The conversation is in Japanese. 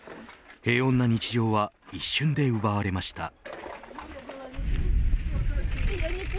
平穏な日常は一瞬で奪われました。